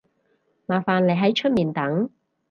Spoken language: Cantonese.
麻煩你喺出面等